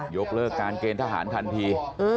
ยกเลิกการเกณฑ์ทหารทันที